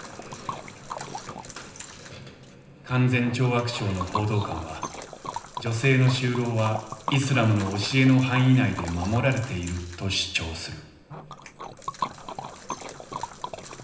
勧善懲悪省の報道官は「女性の就労はイスラムの教えの範囲内で守られている」と主張する。